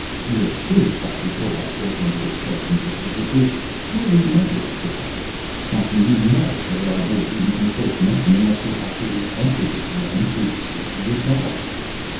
"Your proof," Dr. Pillbot broke into his thoughts insistently, "is purely negative, Professor! How can you know there are no beings in the fourth dimension, unless you actually enter this realm, to see for yourself?"